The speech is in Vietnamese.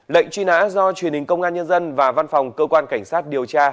lệnh truy nã do truyền hình công an nhân dân và văn phòng cơ quan cảnh sát điều tra